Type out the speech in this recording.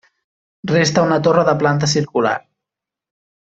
Resta una torre de planta circular.